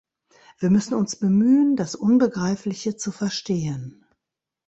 Wir müssen uns bemühen, das Unbegreifliche zu verstehen.